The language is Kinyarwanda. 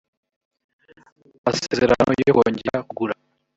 amasezerano yo kongera kugura